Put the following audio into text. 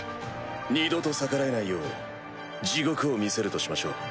二度と逆らえないよう地獄を見せるとしましょう。